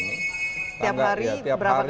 setiap hari berapa kali per hari